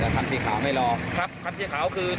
คันสีขาวไม่รอครับคันสีขาวคือ